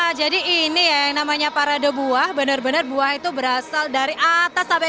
bu ya wah jadi ini yang namanya parade buah bener bener buah itu berasal dari atas sampai